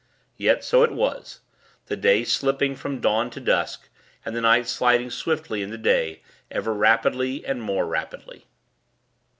Yet, so it was the day slipping from dawn to dusk, and the night sliding swiftly into day, ever rapidly and more rapidly.